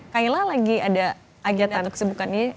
kayla lagi ada agiatan atau kesembuhannya